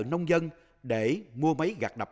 nông dân để mua máy gạt đập